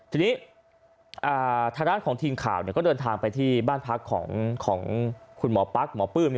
ทีนี้ทางด้านของทีมข่าวก็เดินทางไปบ้านพักของคุณหมอปั๊ก